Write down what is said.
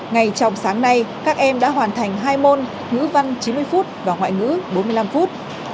ngay trong sáng nay các em đã hoàn thành hai môn ngữ văn chín mươi phút và ngoại ngữ bốn mươi năm phút